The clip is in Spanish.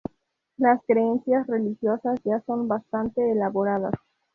Las creencias religiosas ya son bastante elaboradas.